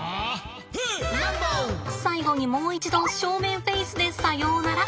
最後にもう一度正面フェースでさようなら。